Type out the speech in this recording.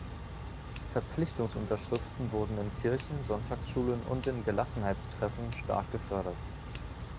Verpflichtungsunterschriften wurden in Kirchen, Sonntagsschulen und in Gelassenheitstreffen stark gefördert.